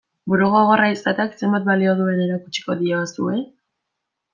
Burugogorra izateak zenbat balio duen erakutsiko diozue?